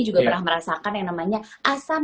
juga pernah merasakan yang namanya asam